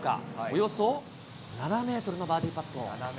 およそ７メートルのバーディーパット。